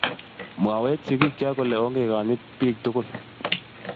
mwowech sigik cho kole ongekonyit biik tugul